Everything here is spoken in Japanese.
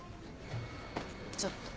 ちょっと。